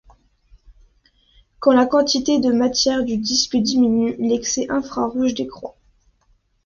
Quand la quantité de matière du disque diminue, l'excès d'infrarouge décroît.